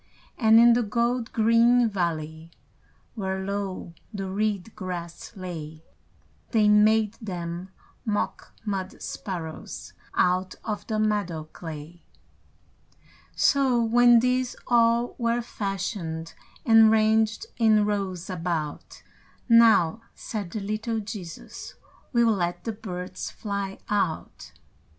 And in the gold green valley, Where low the reed grass lay, They made them mock mud sparrows Out of the meadow clay. So, when these all were fashioned, And ranged in rows about, "Now," said the little Jesus, "We'll let the birds fly out."